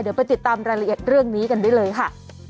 เดี๋ยวไปติดตามรายละเอียดเรื่องนี้กันได้เลยค่ะ